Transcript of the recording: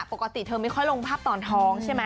ปกติไม่ค่อยลงภาพตอนท้องใช่มะ